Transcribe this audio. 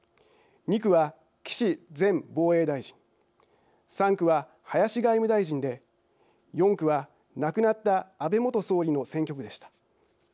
２区は岸前防衛大臣３区は林外務大臣で４区は亡くなった安倍元総理の選挙区でした。